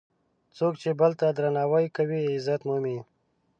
څوک چې بل ته درناوی کوي، عزت مومي.